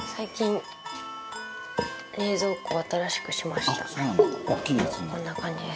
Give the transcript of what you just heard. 井上：こんな感じです。